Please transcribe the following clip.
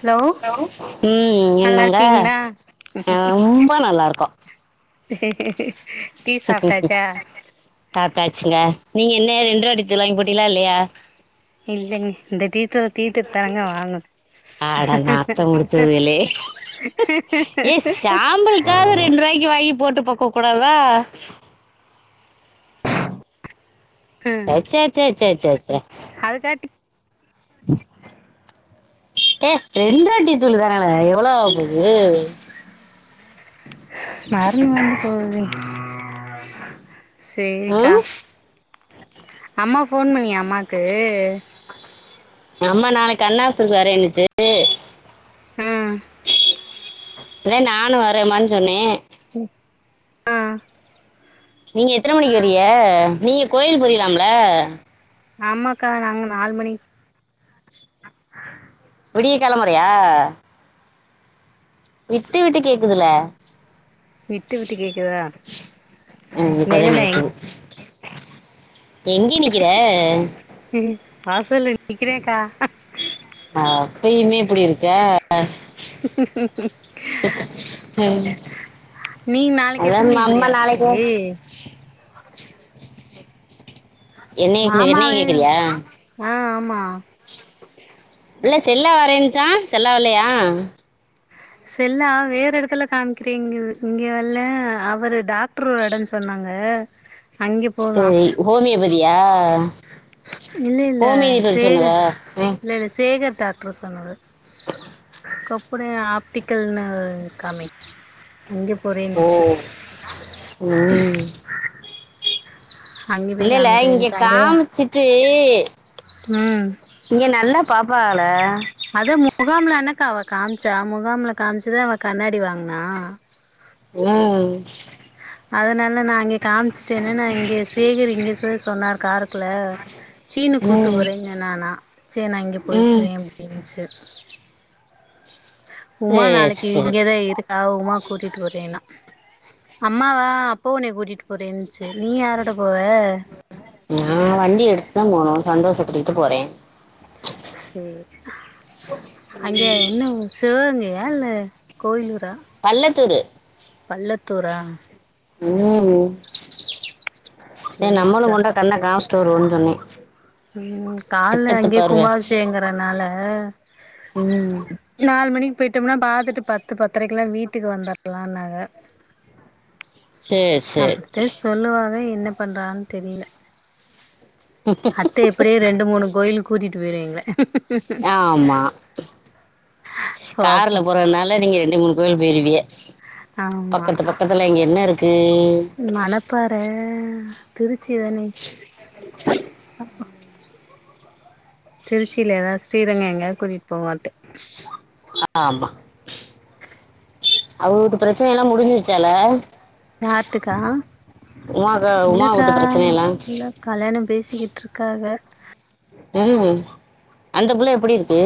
hello லோ ம் நல்லா என்னங்க இருக்கீங்களா ஆ ரொம்ப நல்லார்க்கோ டீ சாப்டாச்சா சாப்டாச்சுங்க நீங்க என்ன ரெண்ட் ருபா டீ தூள் வாங்கி போட்டிங்களா இல்லையா இல்லைங்க இந்த டீ தீத்துட் தரங்க வாங்கனு அட நாத்தொம் புடுச்சவேளே ஏ சாம்பள்க்காக ரென் ருவாய்க்கு வாங்கி போட்டு போக்க கூடாதா சச்ச சச்ச சச்ச அதுக்காட் ம் ஏ ரெண்ரூவா டீ தூள் தானல எவ்ளோ ஆவப்போது மருந்து வாங்க போவே சேரிக்கா ம் அம்மா ஃபோன் பண்ணியா அம்மாக்கு ஆம்மா நாளைக் கண்ணாஸ்பத்திரிக்கி வரேன்னுச்சு ம் இல்ல நானு வரேமான் சொன்னே ம் ஆ நீங்க எத்தன மணிக்கி வரீக நீங்க கோயிலுக் போறீங்லாம்ல ஆமாக்கா நாங்க நாலு மணிக் விடிய காலம்மறையா விட்டு விட்டு கேக்குதுல விட்டு விட்டு கேக்குதா [unintelligible] எங்கே நிக்கிற வாசல்ல நிக்குறேன்கா ஆ அப்பயுமே இப்டிருக்க ம் நீ நாளைக்கு அத எத்தன மணிக்கு நம்மா போறியா நாளைக்கு [inaudible] ஆஸ்பத்திரிக்கு என்னைய மாமாவியு கேக்குறியா அ ஆமா இல்ல செல்லா வரேன்ச்சா செல்லா வர்லையா செல்லா வேற எடத்துல காம்கிறீங்குது இங்கவல்ல அவரு டாக்ட்ரு ஒரு எடோ சொன்னாங்க அ சேரி ஹோமியோபதியா இல்லேல்ல ஹோமியோபதி சேக சொன்னதா ம் இல்லேல்ல சேகர் தாத் க்ளோசனவு கோப்பன்னு ஆப்டிக்கல்னு காமி அங்கே போரே ஓ ம் அங்க போய் இல்லல்ல இங்க காமிக்கிறேன்னுச்சு அங்கதா காம்ச்சுட்டு ம் இங்கே நல்லா பாப்பாகள அத முகாம்ல எனக்கா அவ காம்ச்சா முகாம்ல காம்ச்சுதா அவ கண்ணாடி வாங்னா ஓ அதனால நா அங்கே காமிச்சுட்டேன்னு நா இங்கே சேகரு இங்கே தா சொன்னார் காரக்குல சீனு கூட்டு ம் போறேன் சொன்னானா சேர் நா இங்கே ம் போய்க்கிறே அப்டின்ட்டு உமா சேரி நாளைக்கி சேரி இங்கதா இருக் அவ உமா கூட்டிட்டு போறேன்னா அம்மாவா அப்பா உன்ய கூட்டிட்டு போரேன்ச்சு நீ யாரோட போவ நா வண்டி எடுத்துதா போனு சந்தோஷ கூட்டிட்டு போறே சேர் அங்கே என்ன சிவகங்கையா இல்ல கோயிலூரா பல்லத்தூரு பல்லத்தூரா ம் ஏ நம்மளு சரிக்கா கொண்டே கண்ண காம்ச்சிட் வருவோன் சொன்னே ம் கால்ல திட்டத்து அங்கேயே பார்வ கும்பாபிஷேயகங்கறனால ம் நால் மணிக் போய்ட்டோம்னா பாத்துட்டு பத்து பத்தரைக்குல்லா வீட்டுக்கு வந்த கிலா நாங்க சேரி சேரி அப்டித்த சொல்லுவாக என்ன பண்றான் தெரியில அத்த எப்டியு ரெண்டு மூணு கோயிலு கூட்டிட்டு போய்டு எங்ள ஆமா கார்ல போறதுனால நீங்க ரெண்டு மூணு கோயில் போயிருவிய ஆமா பக்கத்து பக்கத்துல இங்க என்னருக்கு மணப்பாற திருச்சி தானே [inaudible] திருச்சியில ஏதாது ஸ்ரீரங்க எங்கயாது கூட்டிட்டு போவு [unintelligible] ஆமா அவுங்களுக்கு ப்ரச்சனயெல்லா முடிஞ்சுடுச்சால யார்ட்டுக்கா உமாக்க உமா உட்டு ப்ரச்சனயெல்லா கல்யாணோ பேசிக்கிட்டுருக்காக ஓ அந்த புள்ள எப்டி இருக்கு